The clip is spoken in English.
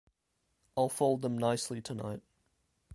I’ll fold them nicely tonight.